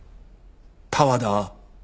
多和田。